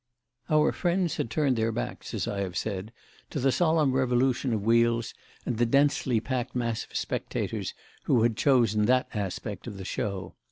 Our friends had turned their backs, as I have said, to the solemn revolution of wheels and the densely packed mass of spectators who had chosen that aspect of the show.